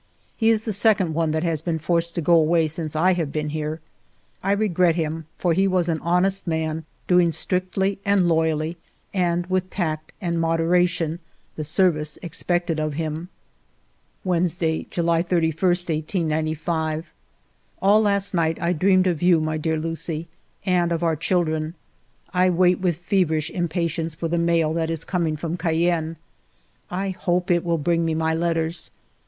He is the second one that has been forced to go away since I have been here. I re gret him, for he was an honest man, doing strictly and loyally, and with tact and moderation, the service expected of him. Wednesday J July 31, 1895. All last night I dreamed of you, my dear Lucie, and of our children. I wait with feverish impa tience for the mail that is coming from Cayenne. 158 FIVE YEARS OF MY LIFE I hope it will bring me my letters.